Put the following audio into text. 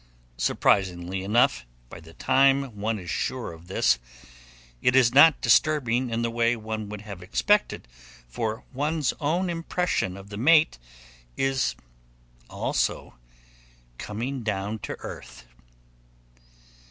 Surprisingly enough, by the time one is sure of this, it is not disturbing in the way one would have expected, for one's own impression of the mate is also coming down to earth.